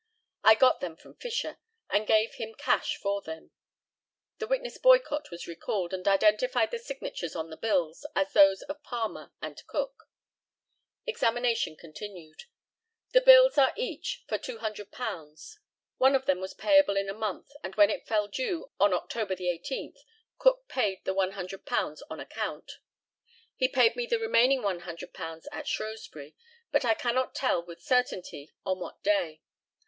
I got them from Fisher, and gave him cash for them. [The witness Boycott was recalled, and identified the signatures on the bills as those of Palmer and Cook.] Examination continued: The bills are each for £200. One of them was payable in a month, and when it fell due, on October 18, Cook paid the £100 on account. He paid me the remaining £100 at Shrewsbury, but I cannot tell with certainty on what day.